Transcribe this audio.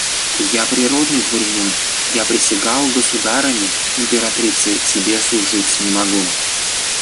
– Я природный дворянин; я присягал государыне императрице: тебе служить не могу.